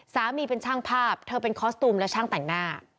เป็นช่างภาพเธอเป็นคอสตูมและช่างแต่งหน้า